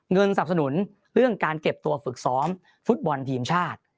สนับสนุนเรื่องการเก็บตัวฝึกซ้อมฟุตบอลทีมชาติ